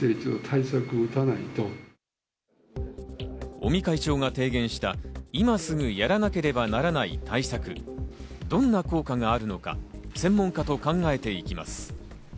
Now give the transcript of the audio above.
尾身会長が提言した今すぐやらなければならない対策、どんな効果があるのか、専門家と考えていきます。